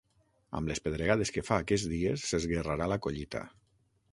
Amb les pedregades que fa aquests dies s'esguerrarà la collita.